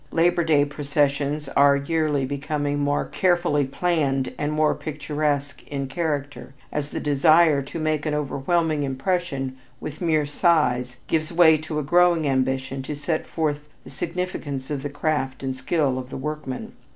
Labor Day processions are yearly becoming more carefully planned and more picturesque in character, as the desire to make an overwhelming impression with mere size gives way to a growing ambition to set forth the significance of the craft and the skill of the workman.